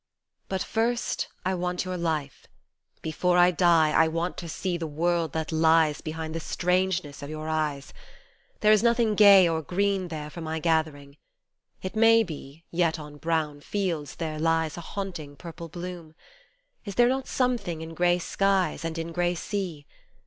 But first I want your life : before I die I want to see The world that lies behind the strangeness of your eyes, There is nothing gay or green there for my gathering, it may be, Yet on brown fields there lies A haunting purple bloom : is there not something in grey skies And in grey sea